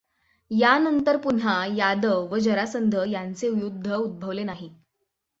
यानंतर पुन्हा यादव व जरासंध यांचे युद्ध उद्भवले नाही.